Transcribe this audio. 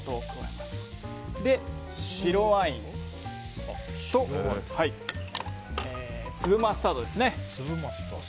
白ワインと粒マスタードですね。